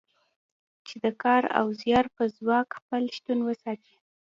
چې د کار او زیار په ځواک خپل شتون وساتي.